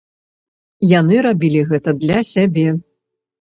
Яны рабілі гэта для сябе.